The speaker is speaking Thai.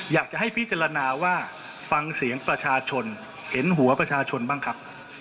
อยากจะให้พิจารณาว่าฟังเสียงประชาชนเห็นหัวประชาชนบ้างครับ